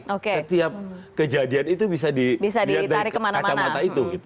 setiap kejadian itu bisa ditarik kemana mana